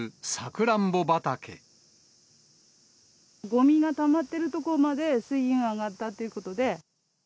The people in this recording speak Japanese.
ごみがたまってる所まで水位が上がったということで。